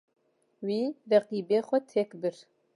Wî, reqîbê xwe têk bir.